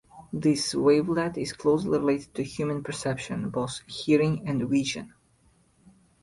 This wavelet is closely related to human perception, both hearing and vision.